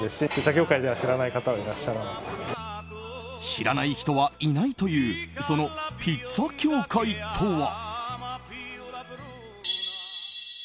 知らない人はいないというそのピッツァ協会とは。